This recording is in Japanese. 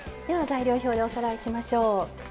材料表でおさらいしましょう。